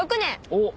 おっ！